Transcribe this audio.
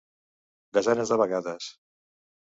Desenes de vegades.